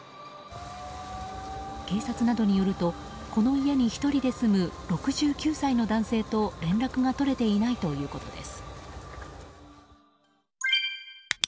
警察などによるとこの家に１人で住む６９歳の男性と、連絡が取れていないということです。